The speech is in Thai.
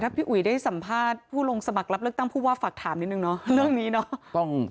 พี่อุ๋ยได้สัมภาษณ์ผู้ลงสมัครรับเลือกตั้งผู้ว่าฝากถามนิดนึงเนาะเรื่องนี้เนาะ